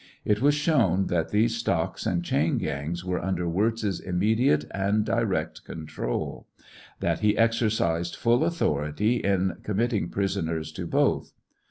It was shown that these stocks and chain gangs were under Wirz's immediate and direct control ; that he exercised full authority in committing prisoners to both.